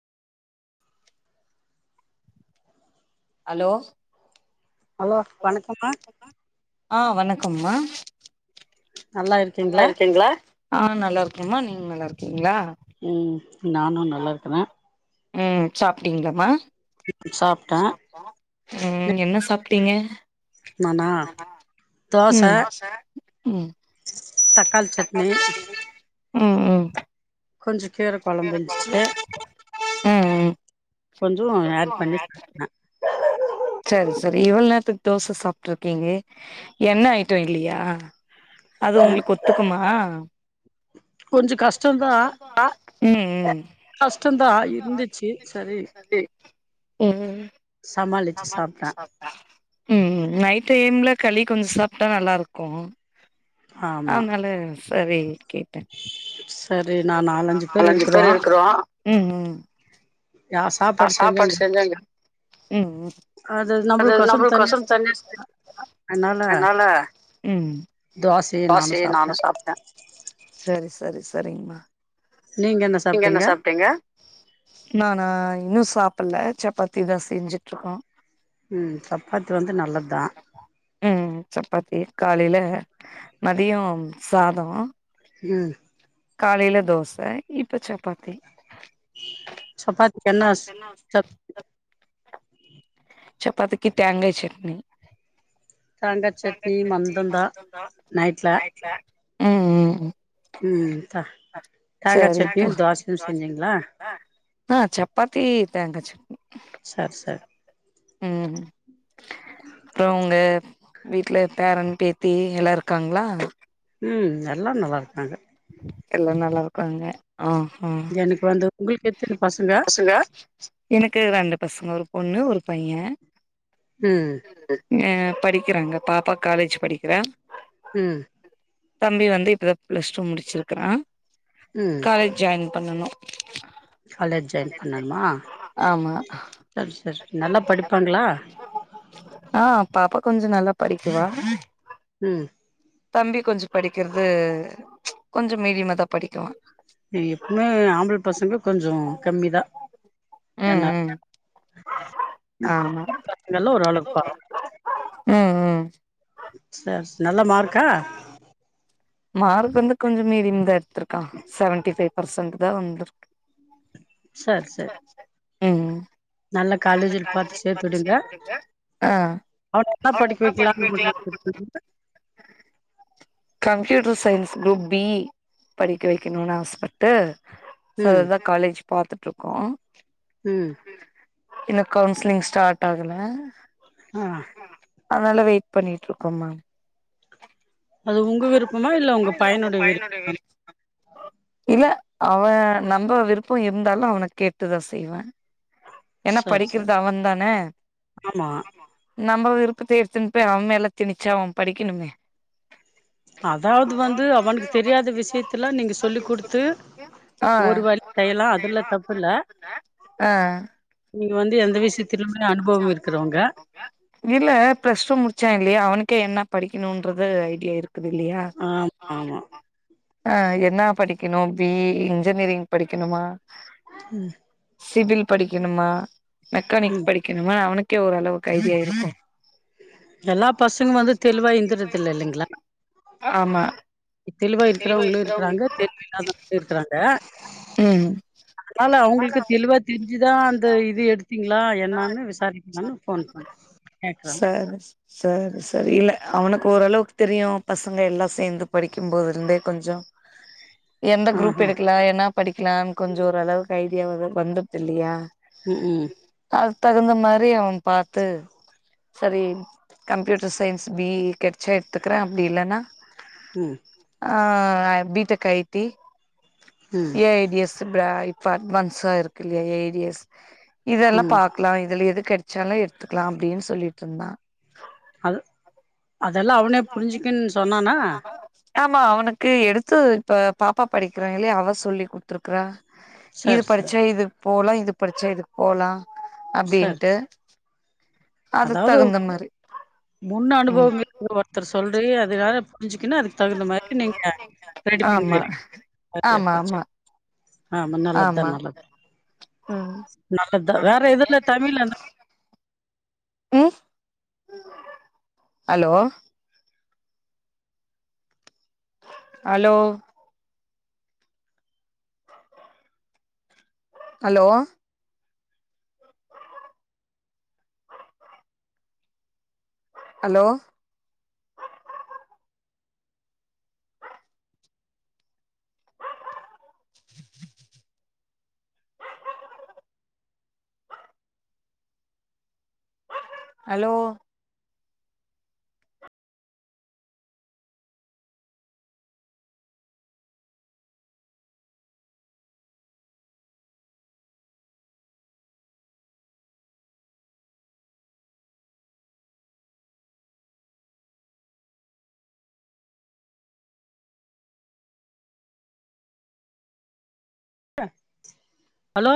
Hello hello வணக்கம்ம ஆ வணக்கம்மா நல்லா இருக்கீங்ளா ஆ நல்லா இருக்கேமா நீங்க நல்லா இருக்கீங்ளா ம் நானு நல்லா இருக்குற ம் சாப்டீங்ளாமா சாப்ட்ட ம் என்ன சாப்ட்டீங்க நானா தோச ம் ம் தக்காளி சட்னி ம் ம் ம் கொஞ்ச கீர கொழம்பு இருந்துச்சு ம் கொஞ்சோ ஆட் பண்ணி சாப்ட்டே சரி சரி இவள நேரத்துக்கு தோச ட்ருக்கீங்க எண்ணெ ஐட்டோ இல்லையா அது உங்ளுக்கு ஒத்துக்குமா கொஞ்ச கஷ்டந்தா ஆ ம் ம் கஷ்டந்தா இருந்துச்சு சரி ம் சமாளிச்சு ம் சாப்ட்டே ம் ம் ம் நைட் டைம்ல களி கொஞ்சோ சாப்ட்டா நல்லாருக்கு ஆமா அதனால சரி கேட்ட சரி நா நாலஞ்சு பேர் இருக்கிறோ ம் ம் யா ஆ சாப்பாடு செஞ்சாங்க செஞ்சாய்ங்க ம் ம் அது நம்மளுக்கொசர நம்மளுக்கு தனியா செஞ்சுருக்காங்க [unintelligible] அதனால அன்னால தோசையு தோசையே நானு சாப்ட்டே சாப்ட்ட சரி சரி சரிங்மா நீங்க என்ன சாப்ட்டீங்க நானா இன்னு சாப்பிட்ல சப்பாத்தி தா செஞ்சுட்டு இருக்கோ ம் சப்பாத்தி வந்து நல்லத்தா ம் சப்பாத்தி காலைல மதியம் சாதோ ம் காலைல தோச இப்ப சப்பாத்தி சப்பாத்திக்கு என்னா சப் சப்பாத்திக்கு தேங்காய் சட்னி தேங்கா சட்னி மந்தந்தா நைட்ல ம் ம் ம் ம் த தேங்கா சட்னியு தோசையு சரிப்பா செஞ்சீங்களா ஆ சப்பாத்தி தேங்கா சட்னி சர் சர் ம் அப்றோ உங்க வீட்ல பேரன் பேத்தி எல்லா இருக்காங்ளா ம் எல்லார் நல்லா இருக்காங்க எல்லா நல்லாருக்காங்க ஆ ஆ எனக்கு வந்து உங்களுக்கு எத்தினி பசங்க எனக்கு ரெண்டு பசங்க ஒரு பொண்ணு ஒரு பைய ம் எ படிக்கிறாங்க பாப்பா காலேஜ் படிக்கிறா ம் தம்பி வந்து இப்பதான் பிளஸ் டூ முடிச்சிருக்கிறான் ம் காலேஜ் ஜாயின் பண்ணனு காலேஜ் ஜாயின் பண்ணணுமா ஆமா சரி சரி நல்லா படிப்பாங்களா ஆ பாப்பா கொஞ்சோ நல்லா படிக்குவா ம் தம்பி கொஞ்சோ படிக்கிறது கொஞ்சோ மீடியமா தான் படிக்கும் எ எப்பவுமே ஆம்பள பசங்க கொஞ்சோ கம்மிதான் ம் ம் ஆமா இதுயெல்லா ஒரு அளவுக் பரவால சேரி ம் ம் ச நல்ல மார்க்கா மார்க்கு வந்து கொஞ்சோ மீடியம் தான் எடுத்திருக்கான் செவன்டி ஃபைவ் பர்சன்ட் தான் வந்திருக்கு சேரி சேரி ம் நல்ல காலேஜ்ல பாத்து சேத்துவிடுங்க ஆ அடுத்து என்ன படிக்க வைக்கலான்னு முடிவு எடுத்துருக்கீங்க கம்ப்யூட்டர் சயின்ஸ் குரூப் பி படிக்க வைக்கணும்னு ஆசப்பட்டு ச ம் அததான் காலேஜ் பாத்துட்டு இருக்கோ ம் இன்னு கவுன்சிலிங் ஸ்டார்ட் ஆகல ஆ அதனால வெயிட் பண்ணிட்டு இருக்கோம் மேம் உங்க விருப்பமா இல்ல உங்க பையனோட விருப்பமா அவன் நம்ப விருப்பம் இருந்தாலும் அவன கேட்டுதான் செய்வேன் ஏன்னா சரி சரி படிக்கிறது அவன் தான ஆமா நம்ம விரு ப்பத்த எடுத்துன்னனு போய் அவமேல தினிச்சா அவன் படிக்கணுமே அதாவது வந்து அவனுக்கு தெரியாத விஷயத்தல்லா நீங்க சொல்ல குடுத்து ஆ ஒரு வழி செய்ல ஆ நீங்க வந்து எந்த விஷயத்திலுமே அனுபவம் இருக்கிறவங்க இல்ல பிளஸ்டு முடிச்சான் இல்லையா அவன் எனக்கே என்ன படிக்கணும்றது ஐடியா இருக்குது இல்லையா ஆமா ஆமா ஆ என்ன படிக்கணும் பி இ இன்ஜினியரிங் படிக்கணுமா ம் சிவில் படிக்கணுமா மெக்கானிக் ம் படிக்கணுமா அவனுக்கே ஓரளவுக்கு ஐடியா இருக்கும் எல்லா பசங்க வந்து தெளிவா இருந்துரத்துல்ல இல்லைங்களா ஆமா தெளிவா இருக்கிறவங்களும் இருக்கிறாங்க தெளிவு இல்லாதவங்களும் இருக்கிறாங்க ம் அதனால அவங்களுக்கு தெளிவா தெரிஞ்சுதான் அந்த இது எடுத்தீங்ளா கேக்குறே சர் ச சர் சர் இல்ல அவனுக்கு ஓரளவுக்கு தெரியும் பசங்க எல்லா சேர்ந்து படிக்கும் போதுலந்தே கொஞ்சொ எந்த குரூப் ஆஹா எடுக்கலா என்ன படிக்கலாம்னு கொஞ்சம் ஒரு அளவுக்கு ஐடியா வ வந்துருது இல்லையா ம் ம் அது தகுந்த மாரி அவன் பாத்து சரி கம்ப்யூட்டர் சயின்ஸ் பி இ கிடச்சா எடுத்துக்கறேன் அப்டி இல்லன்னா ம் ஆ பீ டெக், ஐ டி, ம் ஏ ஜ டி எஸ். சுப்பா இப்ப அட்வான்ஸா இருக்கு இல்லையா ஏரியஸ் ம் பாக்லா இதுல எது கிடைச்சாலு எடுத்துக்கலா அப்படின்னு சொல்லிட்டு இருந்தா அது அதெல்லாம் அவனே புரிஞ்சுக்குன்னு சொன்னானா ஆமா அவனுக்கு எடுத்து இப்ப பாப்பா படிக்கிறா இல்லையா அவ சொல்லி குத்துருக்குறா இது சர் சர் படிச்சா இதுக்கு போலா இது படிச்சா இதுக்கு போலா சர் அப்டின்ட்டு அதுக் அதாவது தகுந்த மாரி முன் ம் அனுபவம் இருக்க ஒருத்தர் சொல்றி அதனால புரிஞ்சுக்குன்னு அதுக் தகுந்த மாரி நீங்க ரெடி ஆமா பண்ணிக்கிறீங் சரியா ஆமா போச்சு ஆமா ஆமா நல்ல தா ஆமா நல்லது ம் நல்லது தா வேற எதுல தமிழ்ல என்ன ம் hello hello hello hello hello hello